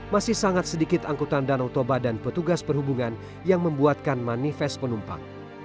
masih sangat sedikit angkutan danau toba dan petugas perhubungan yang membuatkan manifest penumpang